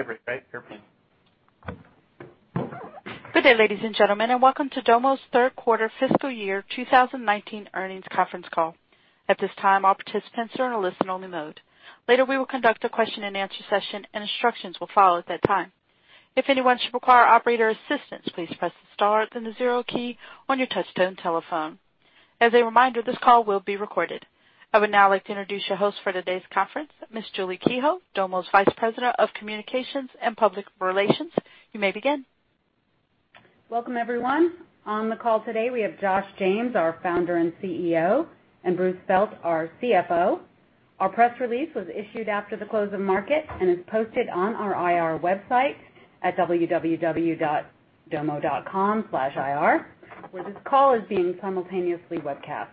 Good day, ladies and gentlemen, and welcome to Domo's third quarter fiscal year 2019 earnings conference call. At this time, all participants are in a listen-only mode. Later, we will conduct a question-and-answer session, and instructions will follow at that time. If anyone should require operator assistance, please press the star then the zero key on your touchtone telephone. As a reminder, this call will be recorded. I would now like to introduce your host for today's conference, Ms. Julie Kehoe, Domo's Vice President of Communications and Public Relations. You may begin. Welcome, everyone. On the call today, we have Josh James, our Founder and CEO, and Bruce Felt, our CFO. Our press release was issued after the close of market and is posted on our IR website at www.domo.com/ir, where this call is being simultaneously webcast.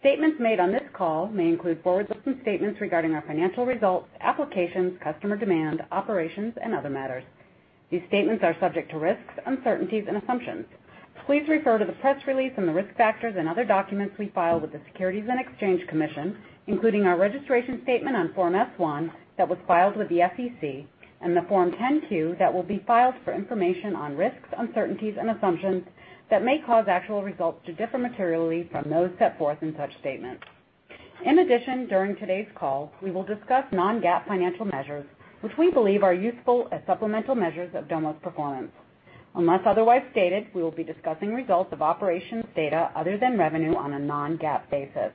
Statements made on this call may include forward-looking statements regarding our financial results, applications, customer demand, operations, and other matters. These statements are subject to risks, uncertainties, and assumptions. Please refer to the press release and the risk factors and other documents we file with the Securities and Exchange Commission, including our registration statement on Form S-1 that was filed with the SEC, and the Form 10-Q that will be filed for information on risks, uncertainties, and assumptions that may cause actual results to differ materially from those set forth in such statements. In addition, during today's call, we will discuss non-GAAP financial measures, which we believe are useful as supplemental measures of Domo's performance. Unless otherwise stated, we will be discussing results of operations data other than revenue on a non-GAAP basis.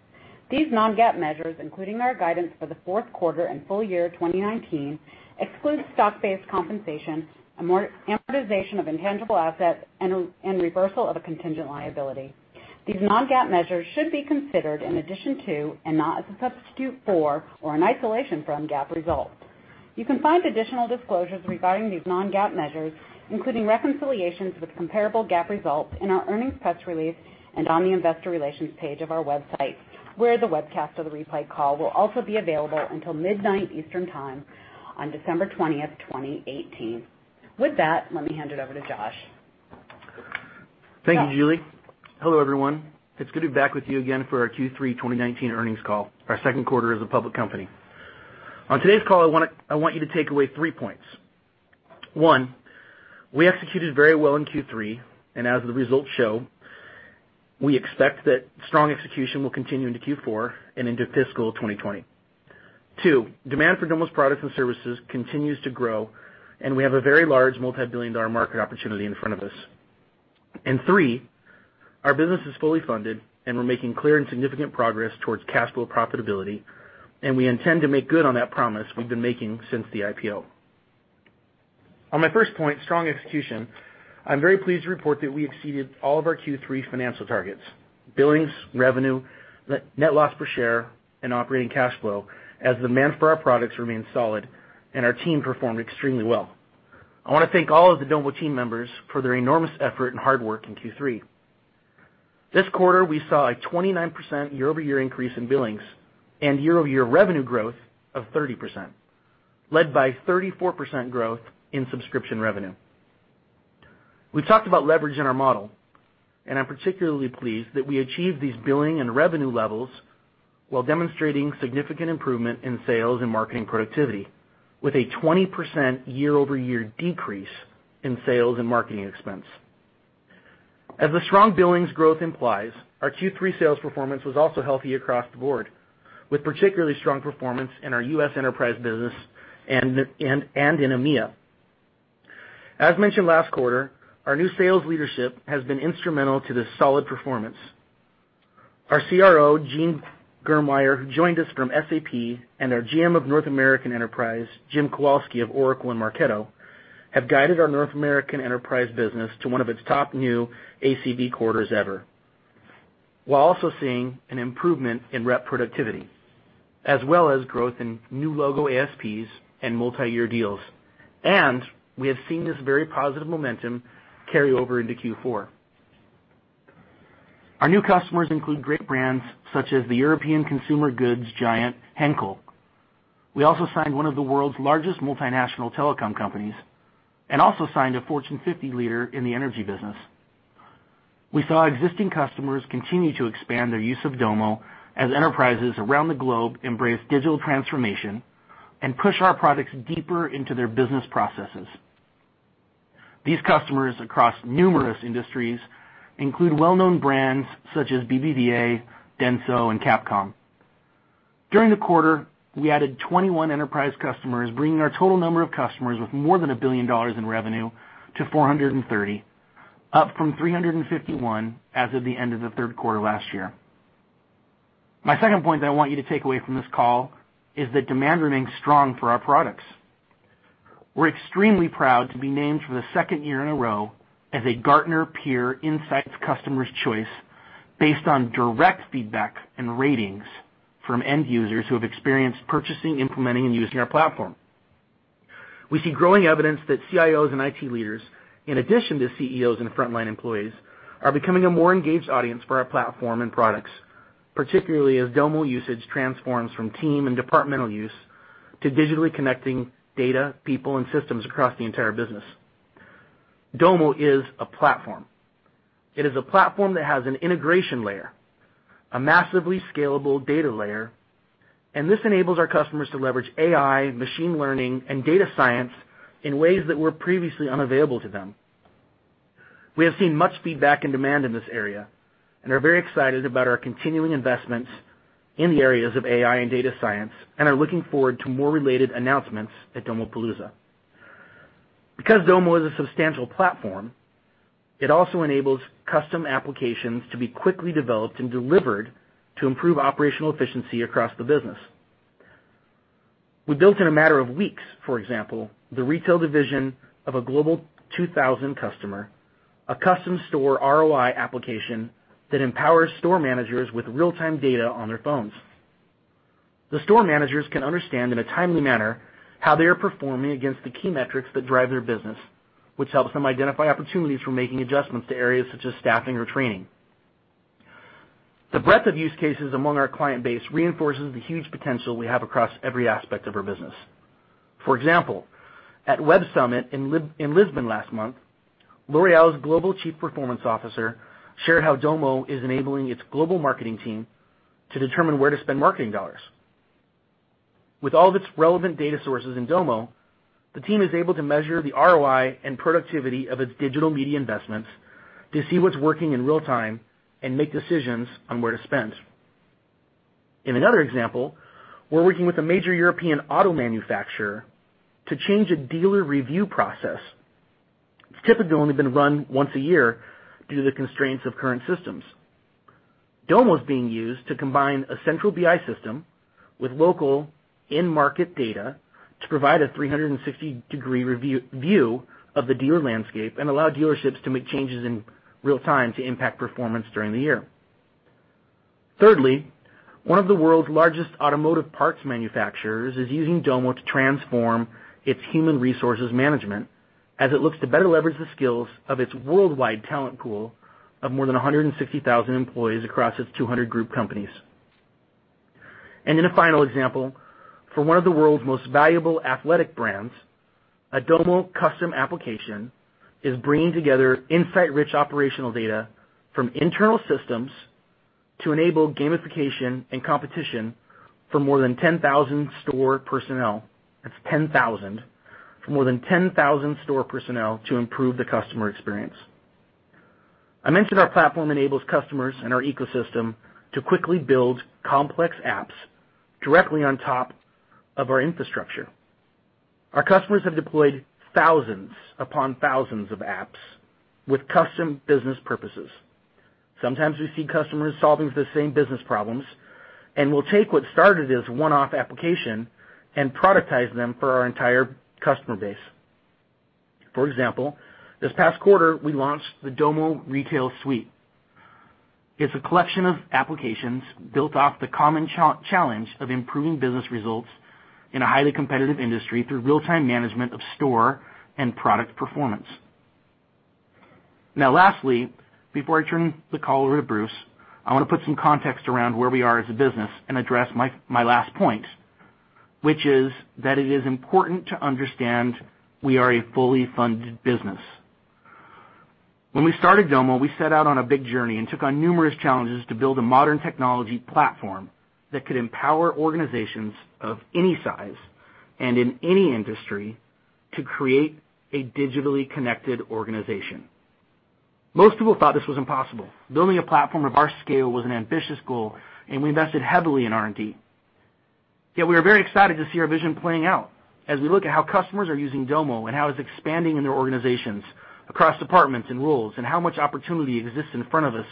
These non-GAAP measures, including our guidance for the fourth quarter and full year 2019, exclude stock-based compensation, amortization of intangible assets, and reversal of a contingent liability. These non-GAAP measures should be considered in addition to, and not as a substitute for, or an isolation from GAAP results. You can find additional disclosures regarding these non-GAAP measures, including reconciliations with comparable GAAP results, in our earnings press release and on the investor relations page of our website, where the webcast of the replay call will also be available until midnight Eastern Time on December 20th, 2018. With that, let me hand it over to Josh. Thank you, Julie. Hello, everyone. It's good to be back with you again for our Q3 2019 earnings call, our second quarter as a public company. On today's call, I want you to take away three points. One. We executed very well in Q3, and as the results show, we expect that strong execution will continue into Q4 and into fiscal 2020. Two. Demand for Domo's products and services continues to grow, and we have a very large multi-billion-dollar market opportunity in front of us. Three. Our business is fully funded, and we're making clear and significant progress towards cash flow profitability, and we intend to make good on that promise we've been making since the IPO. On my first point, strong execution, I'm very pleased to report that we exceeded all of our Q3 financial targets, billings, revenue, net loss per share, and operating cash flow as demand for our products remains solid and our team performed extremely well. I want to thank all of the Domo team members for their enormous effort and hard work in Q3. This quarter, we saw a 29% year-over-year increase in billings and year-over-year revenue growth of 30%, led by 34% growth in subscription revenue. We've talked about leverage in our model, and I'm particularly pleased that we achieved these billing and revenue levels while demonstrating significant improvement in sales and marketing productivity with a 20% year-over-year decrease in sales and marketing expense. As the strong billings growth implies, our Q3 sales performance was also healthy across the board, with particularly strong performance in our U.S. enterprise business and in EMEA. As mentioned last quarter, our new sales leadership has been instrumental to this solid performance. Our CRO, Dean Germeyer, who joined us from SAP, and our GM of North America Enterprise, Jim Kowalski of Oracle and Marketo, have guided our North American enterprise business to one of its top new ACV quarters ever, while also seeing an improvement in rep productivity, as well as growth in new logo ASPs and multiyear deals. We have seen this very positive momentum carry over into Q4. Our new customers include great brands such as the European consumer goods giant, Henkel. We also signed one of the world's largest multinational telecom companies and also signed a Fortune 50 leader in the energy business. We saw existing customers continue to expand their use of Domo as enterprises around the globe embrace digital transformation and push our products deeper into their business processes. These customers across numerous industries include well-known brands such as BBVA, DENSO, and Capcom. During the quarter, we added 21 enterprise customers, bringing our total number of customers with more than $1 billion in revenue to 430, up from 351 as of the end of the third quarter last year. My second point that I want you to take away from this call is that demand remains strong for our products. We're extremely proud to be named for the second year in a row as a Gartner Peer Insights Customers' Choice based on direct feedback and ratings from end users who have experienced purchasing, implementing, and using our platform. We see growing evidence that CIOs and IT leaders, in addition to CEOs and frontline employees, are becoming a more engaged audience for our platform and products, particularly as Domo usage transforms from team and departmental use to digitally connecting data, people, and systems across the entire business. Domo is a platform. It is a platform that has an integration layer, a massively scalable data layer, and this enables our customers to leverage AI, machine learning, and data science in ways that were previously unavailable to them. We have seen much feedback and demand in this area and are very excited about our continuing investments in the areas of AI and data science, and are looking forward to more related announcements at Domopalooza. Because Domo is a substantial platform, it also enables custom applications to be quickly developed and delivered to improve operational efficiency across the business. We built in a matter of weeks, for example, the retail division of a Global 2000 customer, a custom store ROI application that empowers store managers with real-time data on their phones. The store managers can understand in a timely manner how they are performing against the key metrics that drive their business, which helps them identify opportunities for making adjustments to areas such as staffing or training. The breadth of use cases among our client base reinforces the huge potential we have across every aspect of our business. For example, at Web Summit in Lisbon last month, L'Oréal's Global Chief Performance Officer shared how Domo is enabling its global marketing team to determine where to spend marketing dollars. With all of its relevant data sources in Domo, the team is able to measure the ROI and productivity of its digital media investments to see what's working in real time and make decisions on where to spend. In another example, we're working with a major European auto manufacturer to change a dealer review process that's typically only been run once a year due to the constraints of current systems. Domo is being used to combine a central BI system with local end market data to provide a 360-degree view of the dealer landscape and allow dealerships to make changes in real time to impact performance during the year. Thirdly, one of the world's largest automotive parts manufacturers is using Domo to transform its human resources management as it looks to better leverage the skills of its worldwide talent pool of more than 160,000 employees across its 200 group companies. In a final example, for one of the world's most valuable athletic brands, a Domo custom application is bringing together insight-rich operational data from internal systems to enable gamification and competition for more than 10,000 store personnel. That's 10,000. For more than 10,000 store personnel to improve the customer experience. I mentioned our platform enables customers and our ecosystem to quickly build complex apps directly on top of our infrastructure. Our customers have deployed thousands upon thousands of apps with custom business purposes. Sometimes we see customers solving the same business problems, and we'll take what started as one-off application and productize them for our entire customer base. For example, this past quarter, we launched the Domo Retail Suite. It's a collection of applications built off the common challenge of improving business results in a highly competitive industry through real-time management of store and product performance. Lastly, before I turn the call over to Bruce, I want to put some context around where we are as a business and address my last point, which is that it is important to understand we are a fully funded business. When we started Domo, we set out on a big journey and took on numerous challenges to build a modern technology platform that could empower organizations of any size and in any industry to create a digitally connected organization. Most people thought this was impossible. Building a platform of our scale was an ambitious goal, and we invested heavily in R&D. We are very excited to see our vision playing out as we look at how customers are using Domo and how it's expanding in their organizations across departments and roles, and how much opportunity exists in front of us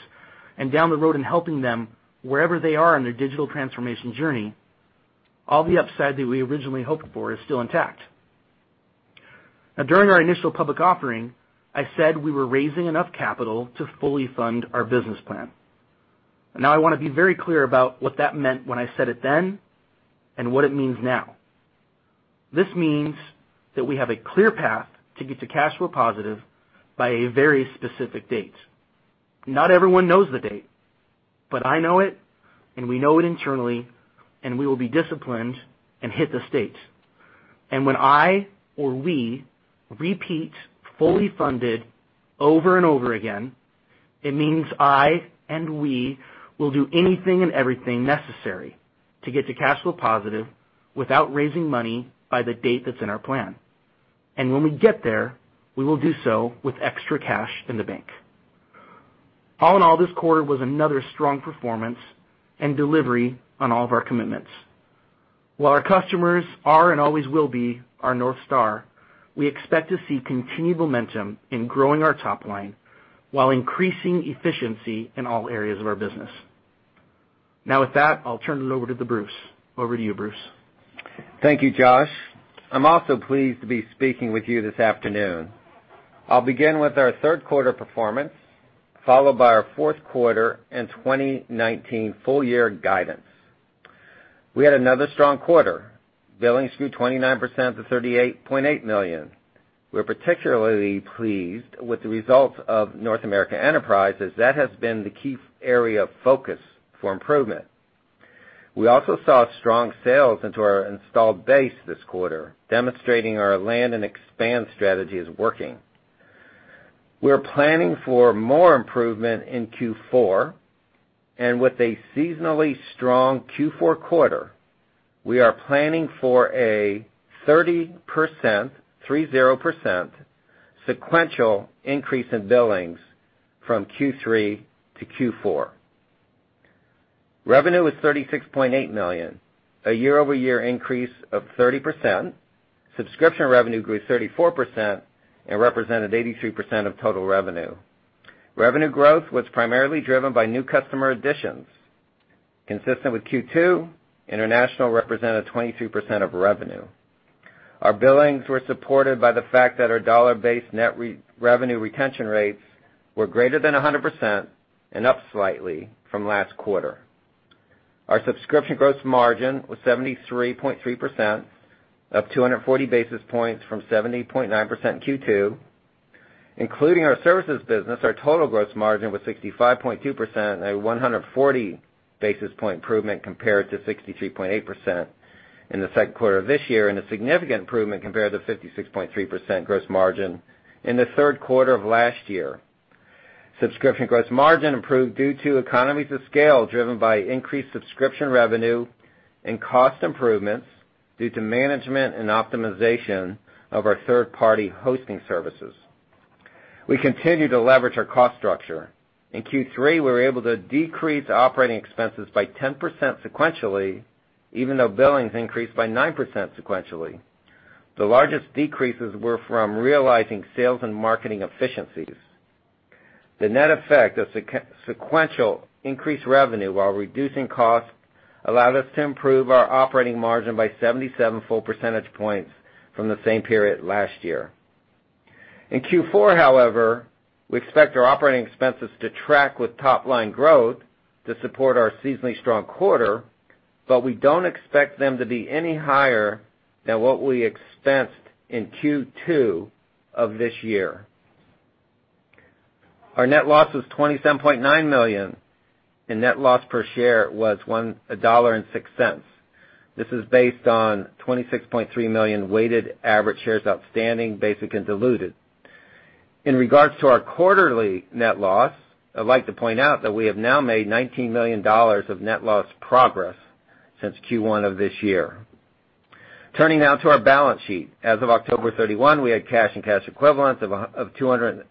and down the road in helping them wherever they are in their digital transformation journey. All the upside that we originally hoped for is still intact. During our initial public offering, I said we were raising enough capital to fully fund our business plan. I want to be very clear about what that meant when I said it then, and what it means now. This means that we have a clear path to get to cash flow positive by a very specific date. Not everyone knows the date, but I know it, and we know it internally, and we will be disciplined and hit the date. When I or we repeat fully funded over and over again, it means I and we will do anything and everything necessary to get to cash flow positive without raising money by the date that's in our plan. When we get there, we will do so with extra cash in the bank. All in all, this quarter was another strong performance and delivery on all of our commitments. While our customers are and always will be our North Star, we expect to see continued momentum in growing our top line while increasing efficiency in all areas of our business. With that, I'll turn it over to Bruce. Over to you, Bruce. Thank you, Josh. I'm also pleased to be speaking with you this afternoon. I'll begin with our third quarter performance, followed by our fourth quarter and 2019 full year guidance. We had another strong quarter. Billings grew 29% to $38.8 million. We're particularly pleased with the results of North America Enterprises. That has been the key area of focus for improvement. We also saw strong sales into our installed base this quarter, demonstrating our land and expand strategy is working. We're planning for more improvement in Q4, and with a seasonally strong Q4 quarter, we are planning for a 30%, 30%, sequential increase in billings from Q3 to Q4. Revenue was $36.8 million, a year-over-year increase of 30%. Subscription revenue grew 34% and represented 83% of total revenue. Revenue growth was primarily driven by new customer additions. Consistent with Q2, international represented 23% of revenue. Our billings were supported by the fact that our dollar-based net revenue retention rates were greater than 100% and up slightly from last quarter. Our subscription gross margin was 73.3%, up 240 basis points from 70.9% in Q2. Including our services business, our total gross margin was 65.2%, a 140 basis point improvement compared to 63.8% in the second quarter of this year, and a significant improvement compared to 56.3% gross margin in the third quarter of last year. Subscription gross margin improved due to economies of scale driven by increased subscription revenue and cost improvements due to management and optimization of our third-party hosting services. We continue to leverage our cost structure. In Q3, we were able to decrease operating expenses by 10% sequentially, even though billings increased by 9% sequentially. The largest decreases were from realizing sales and marketing efficiencies. The net effect of sequential increased revenue while reducing costs allowed us to improve our operating margin by 77 full percentage points from the same period last year. However, we expect our operating expenses to track with top-line growth to support our seasonally strong quarter, but we don't expect them to be any higher than what we expensed in Q2 of this year. Our net loss was $27.9 million, and net loss per share was $1.06. This is based on 26.3 million weighted average shares outstanding, basic and diluted. In regards to our quarterly net loss, I'd like to point out that we have now made $19 million of net loss progress since Q1 of this year. Turning now to our balance sheet. As of October 31, we had cash and cash equivalents of $206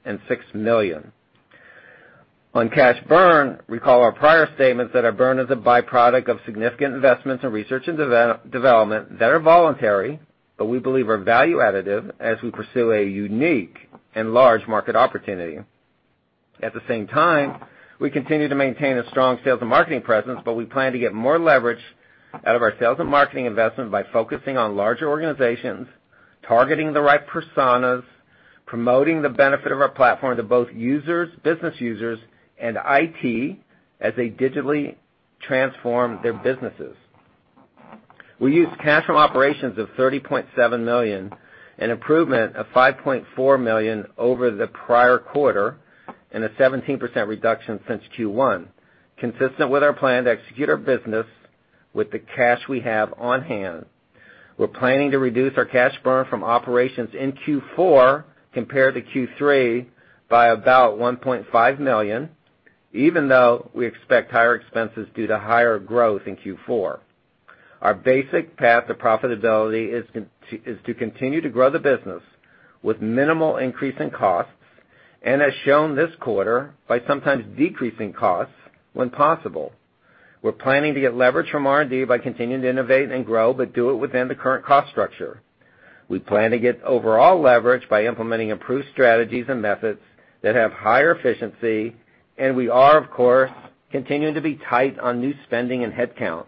million. On cash burn, recall our prior statements that our burn is a byproduct of significant investments in research and development that are voluntary, but we believe are value-additive as we pursue a unique and large market opportunity. At the same time, we continue to maintain a strong sales and marketing presence, but we plan to get more leverage out of our sales and marketing investment by focusing on larger organizations, targeting the right personas, promoting the benefit of our platform to both business users and IT as they digitally transform their businesses. We used cash from operations of $30.7 million, an improvement of $5.4 million over the prior quarter and a 17% reduction since Q1, consistent with our plan to execute our business with the cash we have on hand. We're planning to reduce our cash burn from operations in Q4 compared to Q3 by about $1.5 million, even though we expect higher expenses due to higher growth in Q4. Our basic path to profitability is to continue to grow the business with minimal increase in costs, and as shown this quarter, by sometimes decreasing costs when possible. We're planning to get leverage from R&D by continuing to innovate and grow, but do it within the current cost structure. We plan to get overall leverage by implementing improved strategies and methods that have higher efficiency, and we are, of course, continuing to be tight on new spending and headcount.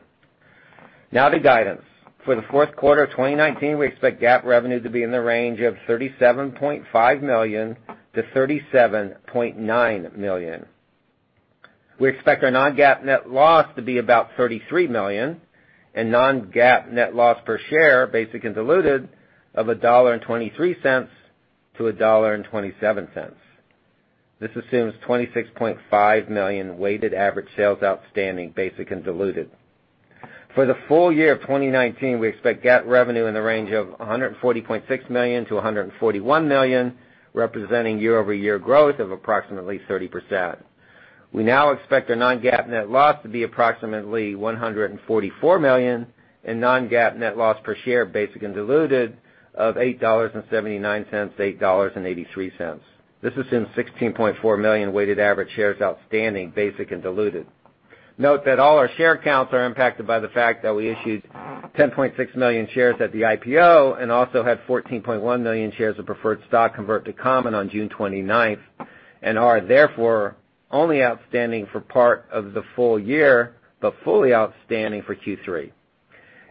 Now the guidance. For the fourth quarter of 2019, we expect GAAP revenue to be in the range of $37.5 million to $37.9 million. We expect our non-GAAP net loss to be about $33 million and non-GAAP net loss per share, basic and diluted, of $1.23-$1.27. This assumes 26.5 million weighted average shares outstanding, basic and diluted. For the full year of 2019, we expect GAAP revenue in the range of $140.6 million-$141 million, representing year-over-year growth of approximately 30%. We now expect our non-GAAP net loss to be approximately $144 million and non-GAAP net loss per share, basic and diluted, of $8.79-$8.83. This assumes 16.4 million weighted average shares outstanding, basic and diluted. Note that all our share counts are impacted by the fact that we issued 10.6 million shares at the IPO and also had 14.1 million shares of preferred stock convert to common on June 29th, and are therefore only outstanding for part of the full year, but fully outstanding for Q3.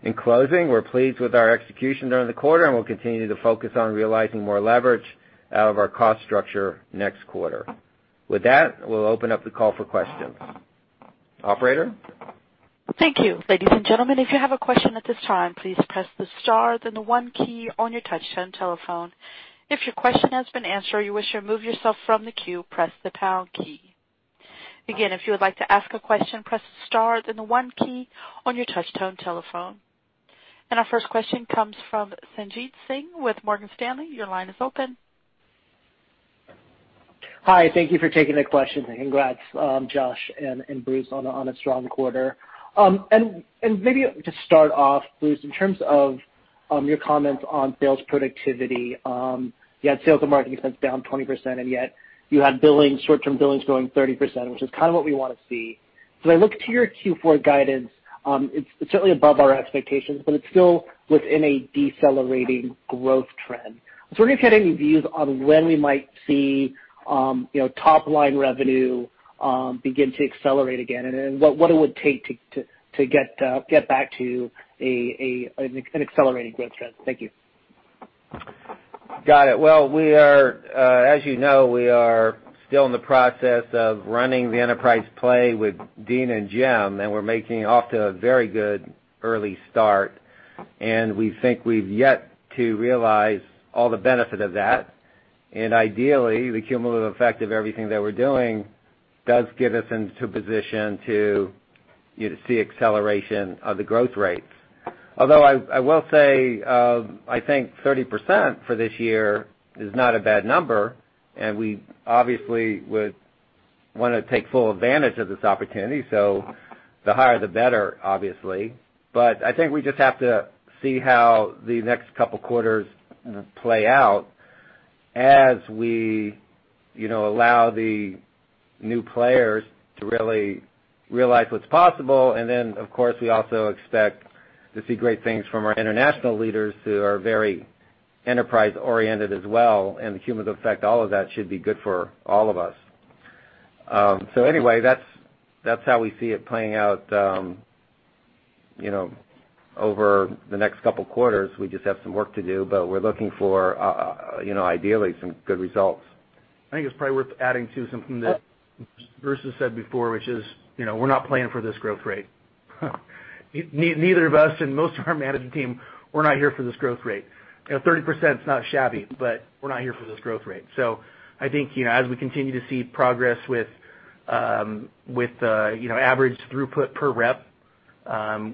In closing, we're pleased with our execution during the quarter, and we'll continue to focus on realizing more leverage out of our cost structure next quarter. With that, we'll open up the call for questions. Operator? Thank you. Ladies and gentlemen, if you have a question at this time, please press the star then the one key on your touch-tone telephone. If your question has been answered or you wish to remove yourself from the queue, press the pound key. If you would like to ask a question, press star, then the one key on your touch-tone telephone. Our first question comes from Sanjit Singh with Morgan Stanley. Your line is open. Hi. Thank you for taking the questions, Congrats, Josh and Bruce, on a strong quarter. Maybe to start off, Bruce, in terms of your comments on sales productivity, you had sales and marketing expense down 20%, yet you had short-term billings growing 30%, which is kind of what we want to see. As I look to your Q4 guidance, it's certainly above our expectations, but it's still within a decelerating growth trend. I was wondering if you had any views on when we might see top-line revenue begin to accelerate again and then what it would take to get back to an accelerating growth trend. Thank you. Got it. Well, as you know, we are still in the process of running the enterprise play with Dean and Jim, and we're making off to a very good early start, and we think we've yet to realize all the benefit of that. Ideally, the cumulative effect of everything that we're doing does get us into a position to see acceleration of the growth rates. Although, I will say, I think 30% for this year is not a bad number, we obviously would want to take full advantage of this opportunity. The higher the better, obviously. I think we just have to see how the next couple quarters play out as we allow the new players to really realize what's possible. Of course, we also expect to see great things from our international leaders who are very enterprise-oriented as well, the cumulative effect of all of that should be good for all of us. That's how we see it playing out over the next couple of quarters. We just have some work to do, we're looking for ideally some good results. I think it's probably worth adding too, something that Bruce has said before, which is, we're not playing for this growth rate. Neither of us and most of our management team, we're not here for this growth rate. 30% is not shabby, we're not here for this growth rate. I think, as we continue to see progress with average throughput per rep,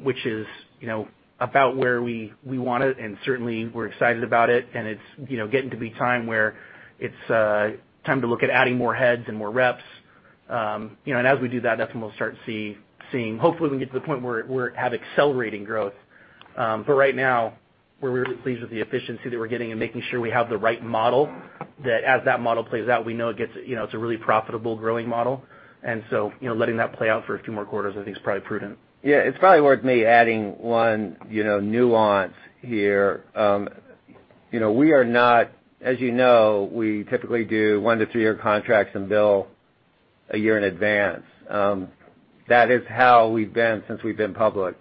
which is about where we want it, certainly we're excited about it's getting to be time where it's time to look at adding more heads and more reps. As we do that's when we'll start seeing, hopefully, we can get to the point where we have accelerating growth. Right now, we're really pleased with the efficiency that we're getting and making sure we have the right model, that as that model plays out, we know it's a really profitable growing model. Letting that play out for a few more quarters, I think, is probably prudent. Yeah. It's probably worth me adding one nuance here. As you know, we typically do one-to-three-year contracts and bill a year in advance. That is how we've been since we've been public.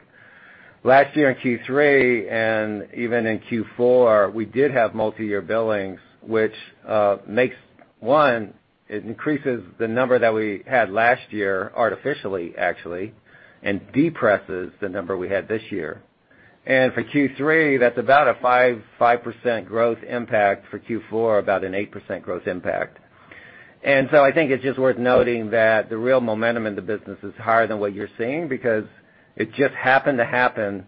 Last year in Q3 and even in Q4, we did have multi-year billings, which increases the number that we had last year artificially, actually, and depresses the number we had this year. For Q3, that's about a 5% growth impact. For Q4, about an 8% growth impact. I think it's just worth noting that the real momentum in the business is higher than what you're seeing because it just happened to happen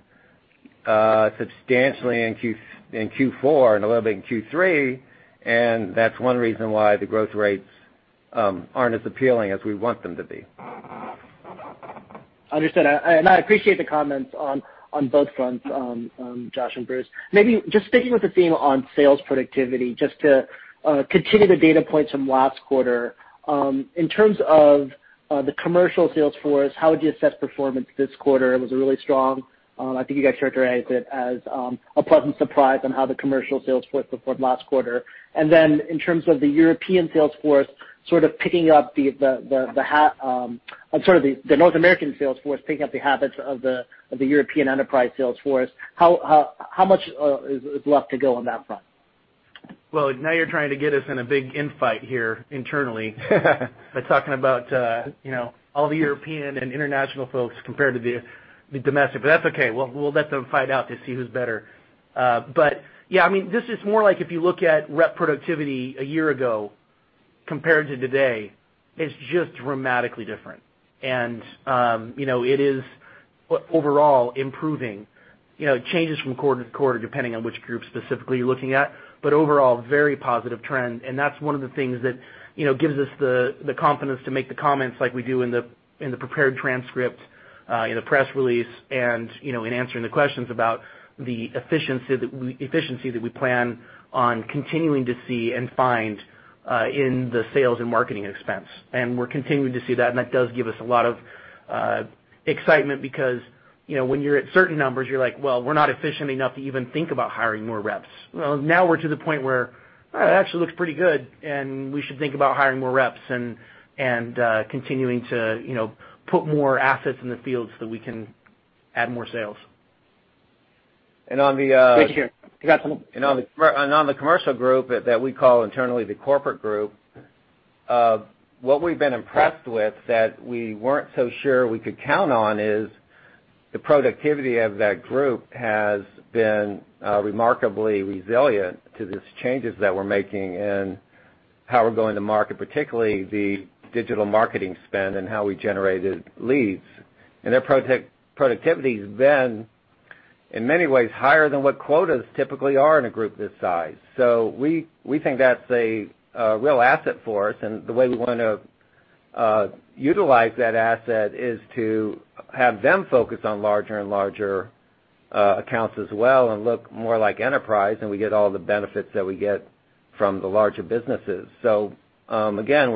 substantially in Q4 and a little bit in Q3, that's one reason why the growth rates aren't as appealing as we want them to be. Understood. I appreciate the comments on both fronts, Josh and Bruce. Maybe just sticking with the theme on sales productivity, just to continue the data points from last quarter. In terms of the commercial sales force, how would you assess performance this quarter? It was really strong. I think you guys characterized it as a pleasant surprise on how the commercial sales force performed last quarter. Then in terms of the European sales force picking up the North American sales force picking up the habits of the European enterprise sales force, how much is left to go on that front? Now you're trying to get us in a big in-fight here internally by talking about all the European and international folks compared to the domestic. That's okay. We'll let them fight out to see who's better. Yeah, this is more like if you look at rep productivity a year ago compared to today, it's just dramatically different. It is overall improving. It changes from quarter to quarter, depending on which group specifically you're looking at. Overall, very positive trend, that's one of the things that gives us the confidence to make the comments like we do in the prepared transcript, in the press release, and in answering the questions about the efficiency that we plan on continuing to see and find in the sales and marketing expense. We're continuing to see that does give us a lot of excitement because when you're at certain numbers, you're like, "We're not efficient enough to even think about hiring more reps." Now we're to the point where it actually looks pretty good, we should think about hiring more reps and continuing to put more assets in the field so that we can add more sales. Thank you. On the commercial group that we call internally the corporate group, what we've been impressed with that we weren't so sure we could count on is The productivity of that group has been remarkably resilient to these changes that we're making and how we're going to market, particularly the digital marketing spend and how we generated leads. Their productivity's been, in many ways, higher than what quotas typically are in a group this size. We think that's a real asset for us, and the way we want to utilize that asset is to have them focus on larger and larger accounts as well and look more like enterprise, and we get all the benefits that we get from the larger businesses. Again,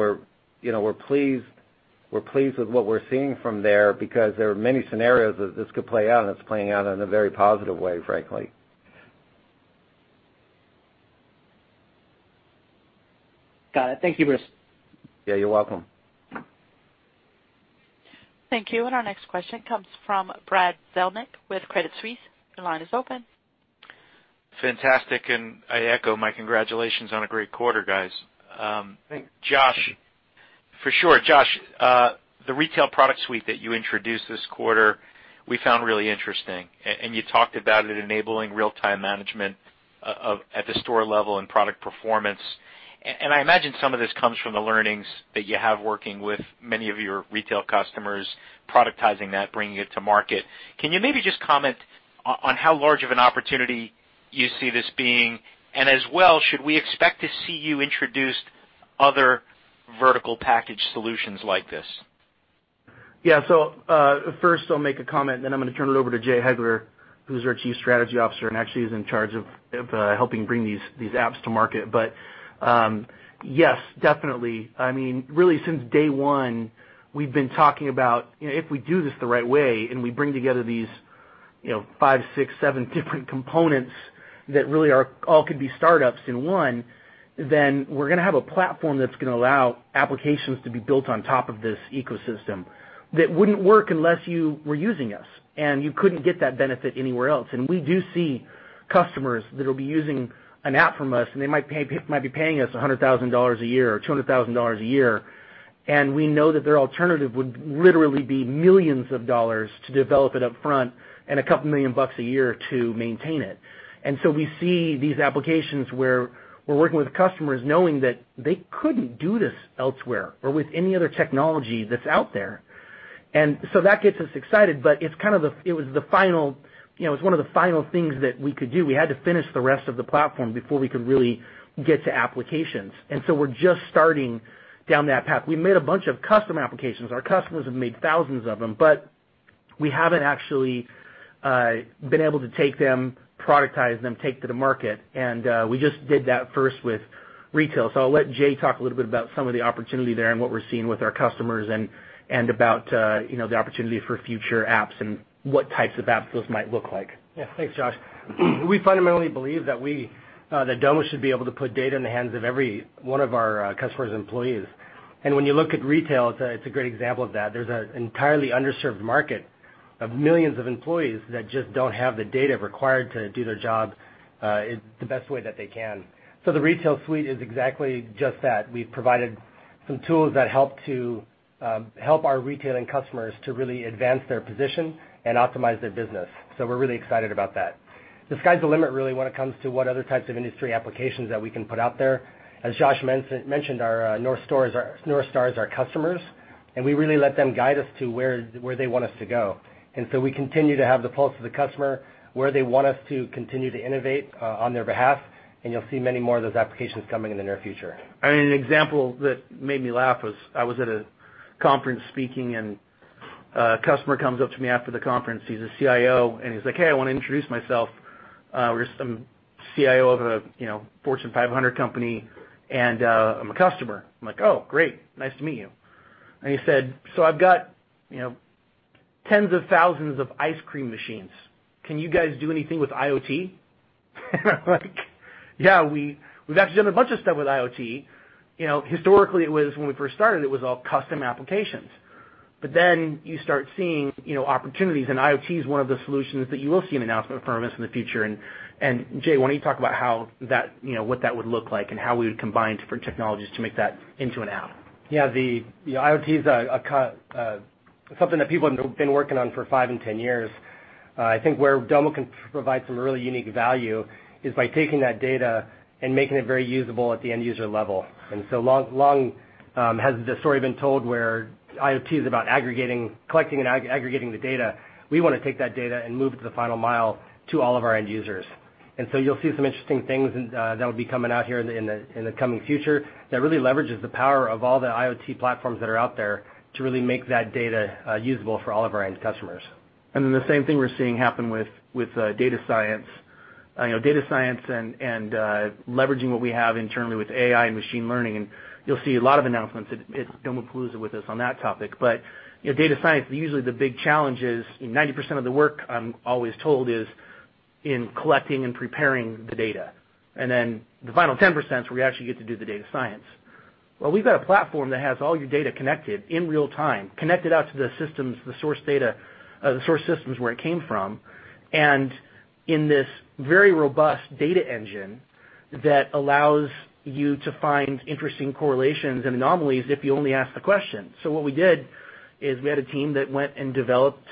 we're pleased with what we're seeing from there because there are many scenarios that this could play out, and it's playing out in a very positive way, frankly. Got it. Thank you, Bruce. Yeah, you're welcome. Thank you. Our next question comes from Brad Zelnick with Credit Suisse. Your line is open. Fantastic, I echo my congratulations on a great quarter, guys. Thanks. Josh, for sure. Josh, the retail product suite that you introduced this quarter, we found really interesting. You talked about it enabling real-time management at the store level and product performance. I imagine some of this comes from the learnings that you have working with many of your retail customers, productizing that, bringing it to market. Can you maybe just comment on how large of an opportunity you see this being? As well, should we expect to see you introduce other vertical package solutions like this? Yeah. First I'll make a comment, then I'm going to turn it over to Jay Heglar, who's our Chief Strategy Officer and actually is in charge of helping bring these apps to market. Yes, definitely. Really since day one, we've been talking about if we do this the right way and we bring together these five, six, seven different components that really all could be startups in one, then we're going to have a platform that's going to allow applications to be built on top of this ecosystem that wouldn't work unless you were using us, and you couldn't get that benefit anywhere else. We do see customers that'll be using an app from us, and they might be paying us $100,000 a year or $200,000 a year, and we know that their alternative would literally be millions of dollars to develop it upfront and a couple million bucks a year to maintain it. We see these applications where we're working with customers knowing that they couldn't do this elsewhere or with any other technology that's out there. That gets us excited. It was one of the final things that we could do. We had to finish the rest of the platform before we could really get to applications. We're just starting down that path. We've made a bunch of custom applications. Our customers have made thousands of them, we haven't actually been able to take them, productize them, take to the market, and we just did that first with retail. I'll let Jay talk a little bit about some of the opportunity there and what we're seeing with our customers and about the opportunity for future apps and what types of apps those might look like. Yeah. Thanks, Josh. We fundamentally believe that Domo should be able to put data in the hands of every one of our customers' employees. When you look at retail, it's a great example of that. There's an entirely underserved market of millions of employees that just don't have the data required to do their job in the best way that they can. The retail suite is exactly just that. We've provided some tools that help our retailing customers to really advance their position and optimize their business. We're really excited about that. The sky's the limit, really, when it comes to what other types of industry applications that we can put out there. As Josh mentioned, our North Star is our customers, and we really let them guide us to where they want us to go. We continue to have the pulse of the customer, where they want us to continue to innovate on their behalf, and you'll see many more of those applications coming in the near future. An example that made me laugh was I was at a conference speaking, a customer comes up to me after the conference. He's a CIO, he's like, "Hey, I want to introduce myself. I'm CIO of a Fortune 500 company, and I'm a customer." I'm like, "Oh, great. Nice to meet you." He said, "I've got tens of thousands of ice cream machines. Can you guys do anything with IoT?" I'm like, "Yeah, we've actually done a bunch of stuff with IoT." Historically, when we first started, it was all custom applications. You start seeing opportunities, IoT is one of the solutions that you will see an announcement from us in the future. Jay, why don't you talk about what that would look like and how we would combine different technologies to make that into an app? Yeah. The IoT is something that people have been working on for five and 10 years. I think where Domo can provide some really unique value is by taking that data and making it very usable at the end user level. Long has the story been told where IoT is about collecting and aggregating the data. We want to take that data and move it to the final mile to all of our end users. You'll see some interesting things that will be coming out here in the coming future that really leverages the power of all the IoT platforms that are out there to really make that data usable for all of our end customers. The same thing we're seeing happen with data science. Data science and leveraging what we have internally with AI and machine learning, you'll see a lot of announcements at Domopalooza with us on that topic. Data science, usually the big challenge is 90% of the work, I'm always told, is in collecting and preparing the data. The final 10% is where you actually get to do the data science. Well, we've got a platform that has all your data connected in real time, connected out to the systems, the source data, the source systems where it came from. In this very robust data engine that allows you to find interesting correlations and anomalies if you only ask the question. What we did is we had a team that went and developed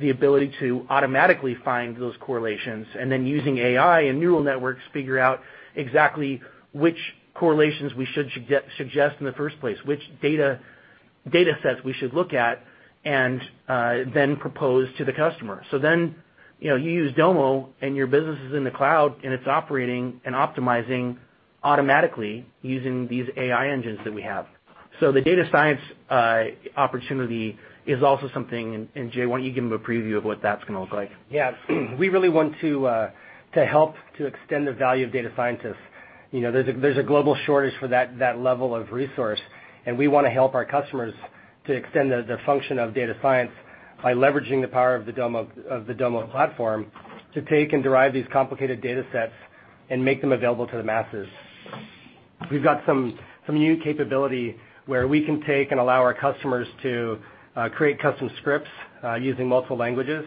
the ability to automatically find those correlations, and then using AI and neural networks, figure out exactly which correlations we should suggest in the first place, which data sets we should look at, and then propose to the customer. You use Domo, and your business is in the cloud, and it's operating and optimizing automatically using these AI engines that we have. The data science opportunity is also something. And, Jay, why don't you give them a preview of what that's going to look like? Yeah. We really want to help to extend the value of data scientists. There's a global shortage for that level of resource, and we want to help our customers to extend the function of data science by leveraging the power of the Domo platform to take and derive these complicated data sets and make them available to the masses. We've got some new capability where we can take and allow our customers to create custom scripts using multiple languages,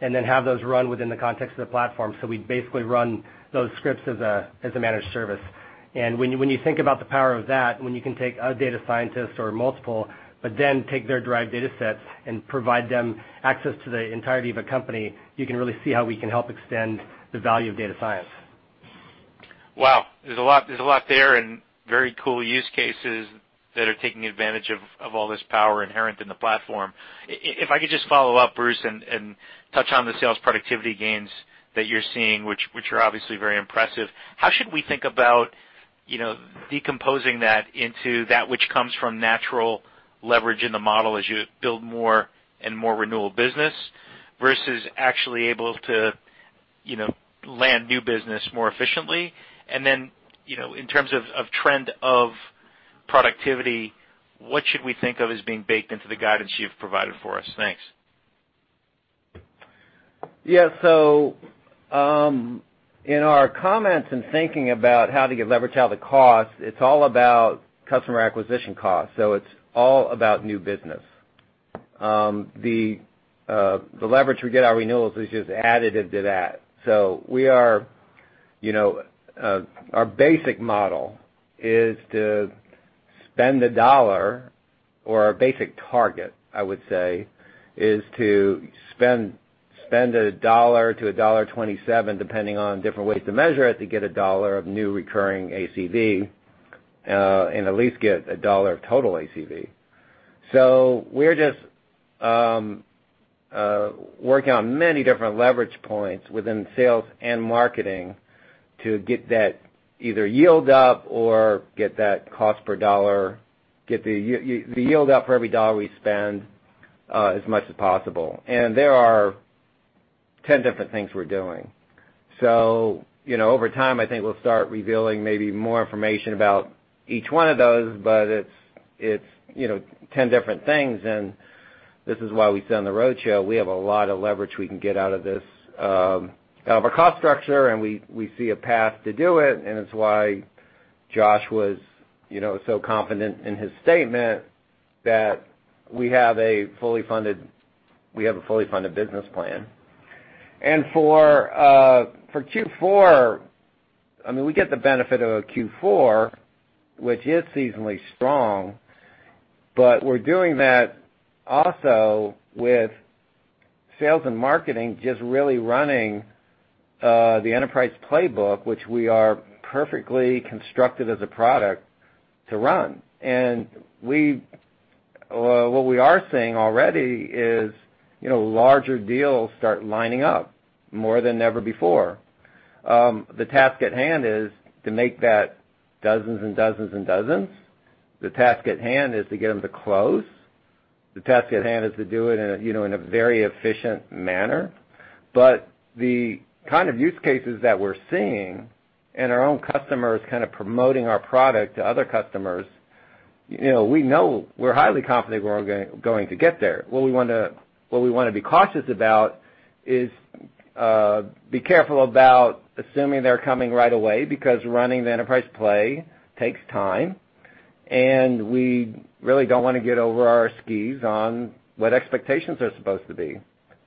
and then have those run within the context of the platform. We basically run those scripts as a managed service. When you think about the power of that, when you can take a data scientist or multiple, but then take their derived data sets and provide them access to the entirety of a company, you can really see how we can help extend the value of data science. Wow. There's a lot there, and very cool use cases that are taking advantage of all this power inherent in the platform. If I could just follow up, Bruce, and touch on the sales productivity gains that you're seeing, which are obviously very impressive. How should we think about decomposing that into that which comes from natural leverage in the model as you build more and more renewable business, versus actually able to land new business more efficiently? Then, in terms of trend of productivity, what should we think of as being baked into the guidance you've provided for us? Thanks. Yeah. In our comments and thinking about how to leverage out the cost, it's all about customer acquisition costs. It's all about new business. The leverage we get our renewals is just additive to that. Our basic model is to spend a dollar, or our basic target, I would say, is to spend $1 to $1.27, depending on different ways to measure it, to get a dollar of new recurring ACV, and at least get a dollar of total ACV. We're just working on many different leverage points within sales and marketing to get that either yield up or get that cost per dollar, get the yield up for every dollar we spend as much as possible. There are 10 different things we're doing. Over time, I think we'll start revealing maybe more information about each one of those, but it's 10 different things. This is why we say on the roadshow, we have a lot of leverage we can get out of this, out of our cost structure. We see a path to do it. It's why Josh was so confident in his statement that we have a fully funded business plan. For Q4, we get the benefit of a Q4, which is seasonally strong. We're doing that also with sales and marketing just really running the enterprise playbook, which we are perfectly constructed as a product to run. What we are seeing already is larger deals start lining up more than ever before. The task at hand is to make that dozens and dozens and dozens. The task at hand is to get them to close. The task at hand is to do it in a very efficient manner. The kind of use cases that we're seeing, our own customers kind of promoting our product to other customers, we're highly confident we're all going to get there. What we want to be cautious about is be careful about assuming they're coming right away because running the enterprise play takes time. We really don't want to get over our skis on what expectations are supposed to be.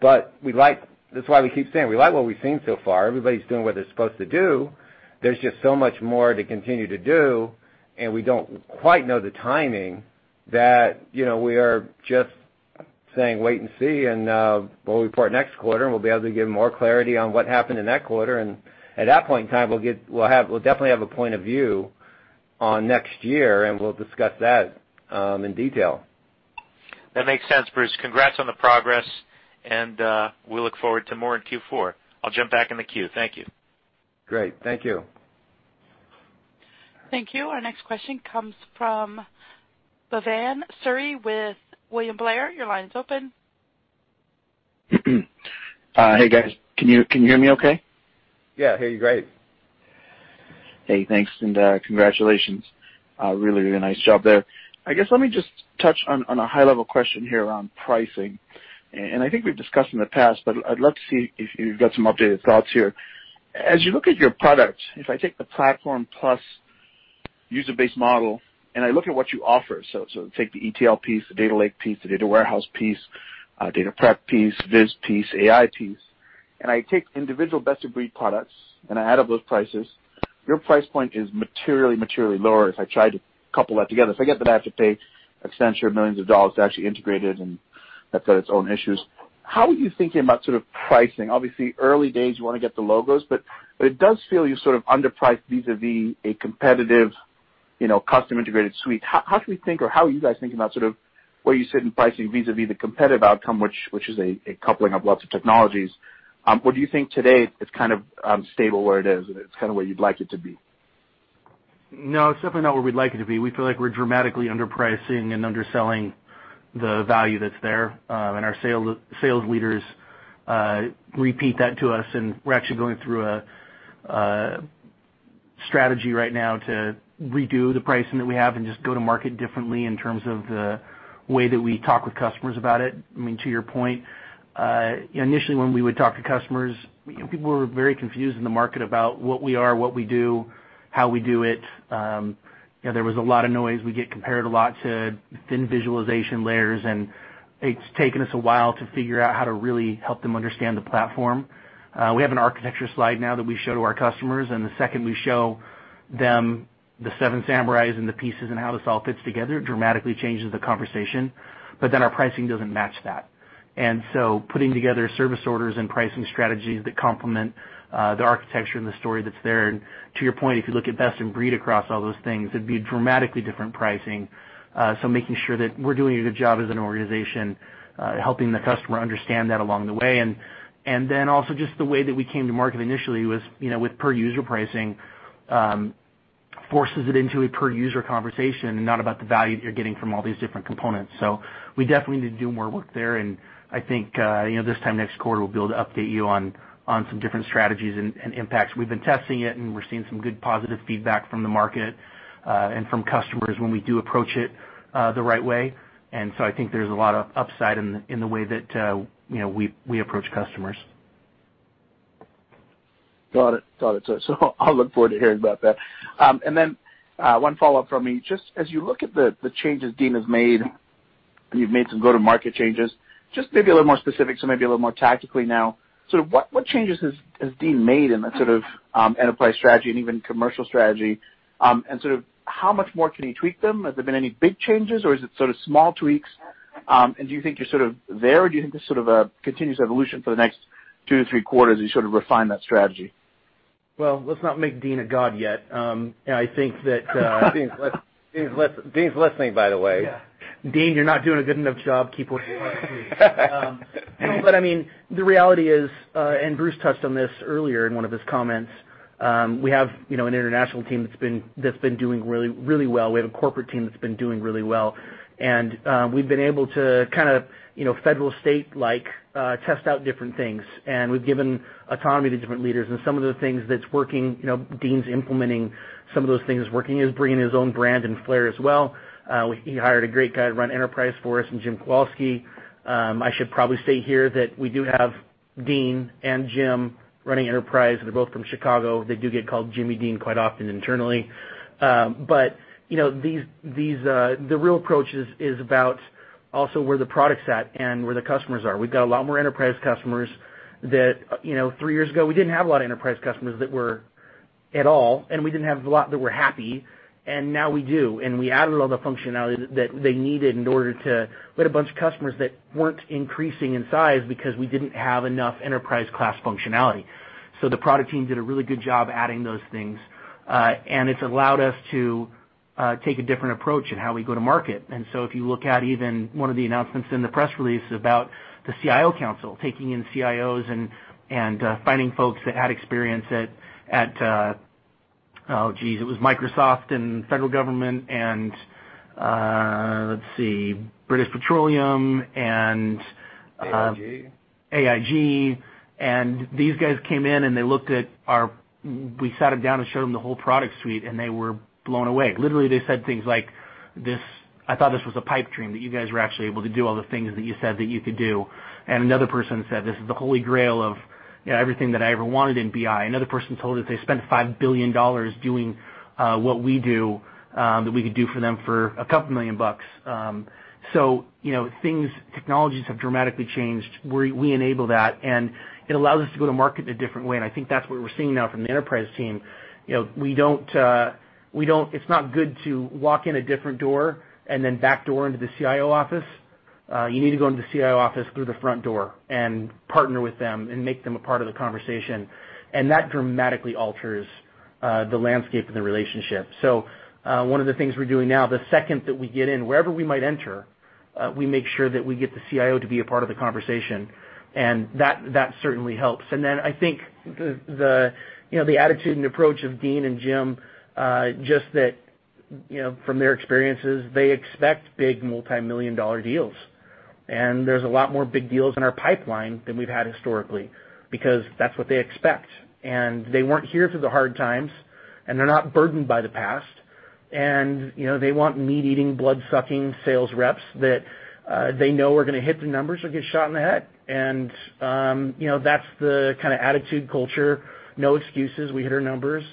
That's why we keep saying we like what we've seen so far. Everybody's doing what they're supposed to do. There's just so much more to continue to do. We don't quite know the timing that we are just saying, wait and see. We'll report next quarter. We'll be able to give more clarity on what happened in that quarter. At that point in time, we'll definitely have a point of view on next year. We'll discuss that in detail. That makes sense, Bruce. Congrats on the progress. We look forward to more in Q4. I'll jump back in the queue. Thank you. Great. Thank you. Thank you. Our next question comes from Bhavan Suri with William Blair. Your line's open. Hey, guys. Can you hear me okay? Yeah, I hear you great. Hey, thanks, and congratulations. Really nice job there. I guess, let me just touch on a high-level question here on pricing. I think we've discussed in the past, but I'd love to see if you've got some updated thoughts here. As you look at your product, if I take the platform plus-user base model, and I look at what you offer. Take the ETL piece, the data lake piece, the data warehouse piece, data prep piece, viz piece, AI piece, and I take individual best-of-breed products and I add up those prices. Your price point is materially lower if I try to couple that together. Forget that I have to pay Accenture millions of dollars to actually integrate it, and that's got its own issues. How are you thinking about pricing? Obviously, early days, you want to get the logos, but it does feel you sort of underpriced vis-à-vis a competitive custom integrated suite. How should we think or how are you guys thinking about where you sit in pricing vis-à-vis the competitive outcome, which is a coupling of lots of technologies? Do you think today it's stable where it is, and it's where you'd like it to be? No, it's definitely not where we'd like it to be. We feel like we're dramatically underpricing and underselling the value that's there. Our sales leaders repeat that to us, and we're actually going through a strategy right now to redo the pricing that we have and just go to market differently in terms of the way that we talk with customers about it. To your point, initially when we would talk to customers, people were very confused in the market about what we are, what we do, how we do it. There was a lot of noise. We get compared a lot to thin visualization layers, and it's taken us a while to figure out how to really help them understand the platform. We have an architecture slide now that we show to our customers, and the second we show them the Seven Samurais and the pieces and how this all fits together, it dramatically changes the conversation. Our pricing doesn't match that. Putting together service orders and pricing strategies that complement the architecture and the story that's there. To your point, if you look at best in breed across all those things, it'd be dramatically different pricing. Making sure that we're doing a good job as an organization, helping the customer understand that along the way. Also just the way that we came to market initially was with per-user pricing, forces it into a per-user conversation, and not about the value that you're getting from all these different components. We definitely need to do more work there, and I think this time next quarter, we'll be able to update you on some different strategies and impacts. We've been testing it and we're seeing some good positive feedback from the market and from customers when we do approach it the right way. I think there's a lot of upside in the way that we approach customers. Got it. I'll look forward to hearing about that. One follow-up from me. Just as you look at the changes Dean has made, and you've made some go-to-market changes, just maybe a little more specific, maybe a little more tactically now. What changes has Dean made in that sort of enterprise strategy and even commercial strategy? How much more can you tweak them? Has there been any big changes, or is it sort of small tweaks? Do you think you're sort of there, or do you think this sort of a continuous evolution for the next two to three quarters as you sort of refine that strategy? Let's not make Dean a god yet. Dean's listening, by the way. Dean, you're not doing a good enough job, keep working hard, please. The reality is, and Bruce touched on this earlier in one of his comments, we have an international team that's been doing really well. We have a corporate team that's been doing really well. We've been able to kind of federal state-like test out different things. We've given autonomy to different leaders. Some of the things that's working, Dean's implementing some of those things working, he's bringing his own brand and flair as well. He hired a great guy to run enterprise for us in Jim Kowalski. I should probably say here that we do have Dean and Jim running enterprise. They're both from Chicago. They do get called Jimmy Dean quite often internally. The real approach is about also where the product's at and where the customers are. We've got a lot more enterprise customers that three years ago, we didn't have a lot of enterprise customers that were at all, and we didn't have a lot that were happy, and now we do. We added a lot of the functionality that they needed in order to we had a bunch of customers that weren't increasing in size because we didn't have enough enterprise class functionality. The product team did a really good job adding those things. It's allowed us to take a different approach in how we go to market. If you look at even one of the announcements in the press release about the CIO Council, taking in CIOs and finding folks that had experience at, oh geez, it was Microsoft and federal government and, let's see, British Petroleum and. AIG. AIG. These guys came in and they looked at our we sat them down and showed them the whole product suite, and they were blown away. Literally, they said things like, "I thought this was a pipe dream that you guys were actually able to do all the things that you said that you could do." Another person said, "This is the holy grail of everything that I ever wanted in BI." Another person told us they spent $5 billion doing what we do, that we could do for them for a couple million dollars. Technologies have dramatically changed. We enable that, and it allows us to go to market in a different way, and I think that's what we're seeing now from the enterprise team. It's not good to walk in a different door and then backdoor into the CIO office. You need to go into the CIO office through the front door and partner with them and make them a part of the conversation. That dramatically alters the landscape and the relationship. One of the things we're doing now, the second that we get in, wherever we might enter, we make sure that we get the CIO to be a part of the conversation, and that certainly helps. Then I think the attitude and approach of Dean and Jim, just that from their experiences, they expect big multimillion-dollar deals. There's a lot more big deals in our pipeline than we've had historically because that's what they expect. They weren't here through the hard times, and they're not burdened by the past. They want meat-eating, blood-sucking sales reps that they know are going to hit the numbers or get shot in the head. That's the kind of attitude culture. No excuses. We hit our numbers.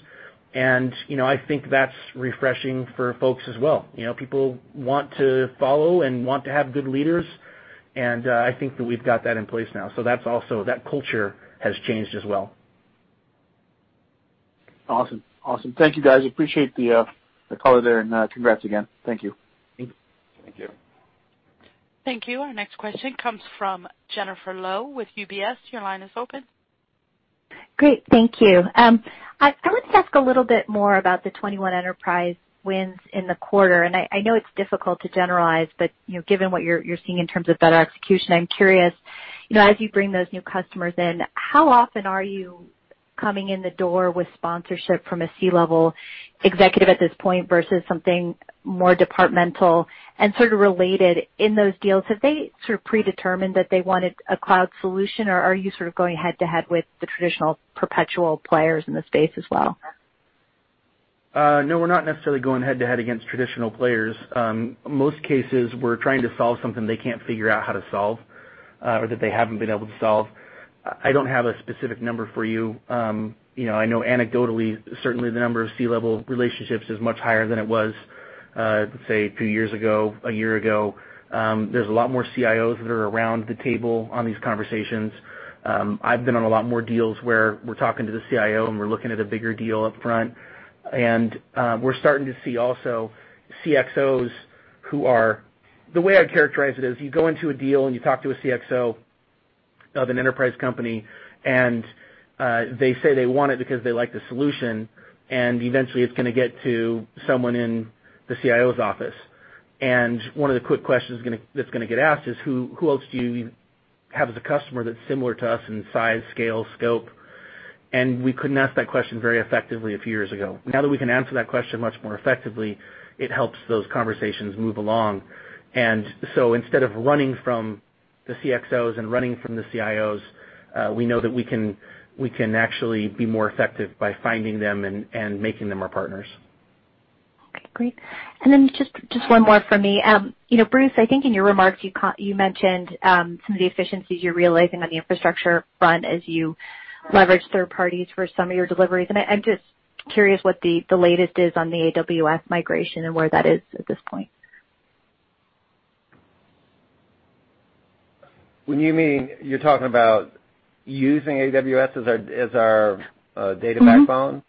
I think that's refreshing for folks as well. People want to follow and want to have good leaders, and I think that we've got that in place now. That culture has changed as well. Awesome. Thank you, guys. Appreciate the call there, and congrats again. Thank you. Thank you. Thank you. Our next question comes from Jennifer Lowe with UBS. Your line is open. Great. Thank you. I wanted to ask a little bit more about the 21 enterprise wins in the quarter. I know it's difficult to generalize, but given what you're seeing in terms of better execution, I'm curious, as you bring those new customers in, how often are you coming in the door with sponsorship from a C-level executive at this point versus something more departmental? Sort of related, in those deals, have they sort of predetermined that they wanted a cloud solution, or are you sort of going head to head with the traditional perpetual players in the space as well? No, we're not necessarily going head to head against traditional players. Most cases, we're trying to solve something they can't figure out how to solve, or that they haven't been able to solve. I don't have a specific number for you. I know anecdotally, certainly the number of C-level relationships is much higher than it was, let's say, a few years ago, a year ago. There's a lot more CIOs that are around the table on these conversations. I've been on a lot more deals where we're talking to the CIO, and we're looking at a bigger deal up front. We're starting to see also CxOs. The way I'd characterize it is you go into a deal, you talk to a CxO of an enterprise company, and they say they want it because they like the solution, and eventually it's going to get to someone in the CIO's office. One of the quick questions that's gonna get asked is, who else do you have as a customer that's similar to us in size, scale, scope? We couldn't ask that question very effectively a few years ago. Now that we can answer that question much more effectively, it helps those conversations move along. So instead of running from the CxOs and running from the CIOs, we know that we can actually be more effective by finding them and making them our partners. Okay, great. Just one more from me. Bruce, I think in your remarks, you mentioned some of the efficiencies you're realizing on the infrastructure front as you leverage third parties for some of your deliveries. I'm just curious what the latest is on the AWS migration and where that is at this point. You're talking about using AWS as our data backbone?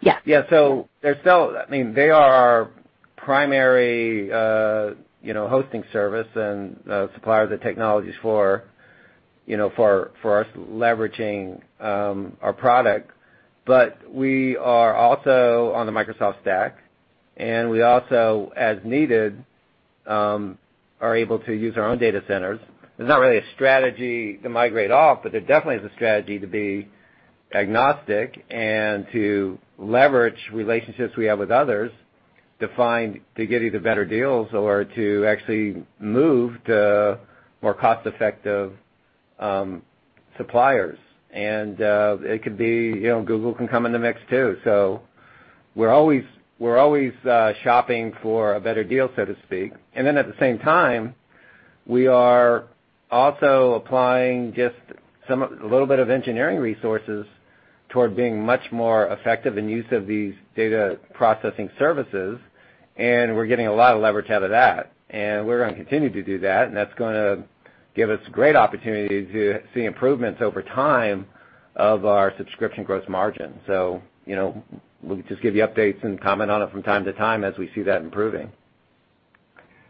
Yeah. They are our primary hosting service and supplier of the technologies for us leveraging our product. We are also on the Microsoft stack, and we also, as needed, are able to use our own data centers. There's not really a strategy to migrate off, but there definitely is a strategy to be agnostic and to leverage relationships we have with others to get either better deals or to actually move to more cost-effective suppliers. Google can come in the mix, too. We're always shopping for a better deal, so to speak. At the same time, we are also applying just a little bit of engineering resources toward being much more effective in use of these data processing services, and we're getting a lot of leverage out of that. We're going to continue to do that, and that's going to give us great opportunity to see improvements over time of our subscription gross margin. We'll just give you updates and comment on it from time to time as we see that improving.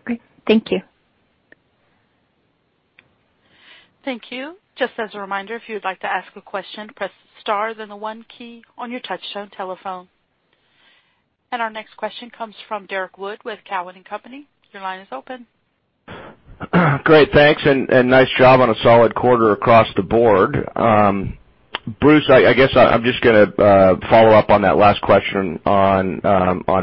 Great. Thank you. Thank you. Just as a reminder, if you would like to ask a question, press star, then the one key on your touchtone telephone. Our next question comes from Derrick Wood with Cowen and Company. Your line is open. Great. Thanks, nice job on a solid quarter across the board. Bruce, I guess I'm just gonna follow up on that last question on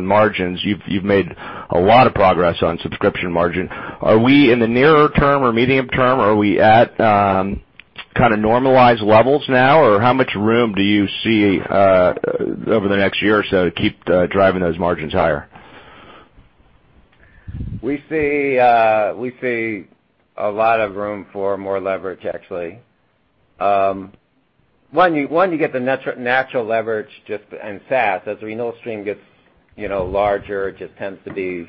margins. You've made a lot of progress on subscription margin. Are we in the nearer term or medium term? Are we at kind of normalized levels now, or how much room do you see over the next year or so to keep driving those margins higher? We see a lot of room for more leverage, actually. One, you get the natural leverage just in SaaS. As the renewal stream gets larger, you